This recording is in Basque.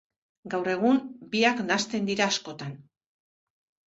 Gaur egun, biak nahasten dira askotan.